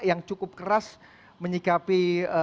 yang cukup keras menyikapi